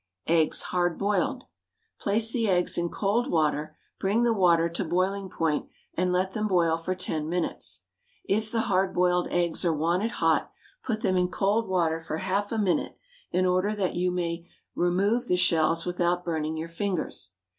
EGGS, HARD BOILED. Place the eggs in cold water, bring the water to boiling point, and let them boil for ten minutes; if the hard boiled eggs are wanted hot, put them in cold water for half a minute, in order that you may remove the shells without burning your fingers.